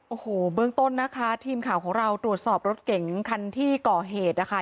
โอ้โหเบื้องต้นนะคะทีมข่าวของเราตรวจสอบรถเก๋งคันที่ก่อเหตุนะคะ